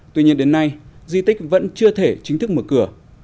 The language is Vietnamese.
tuy nhiên đến nay di tích vẫn chưa thể chính thức mở cửa